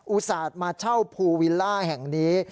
อุตส่าห์มาเช่าภูวิลล่าแห่งนี้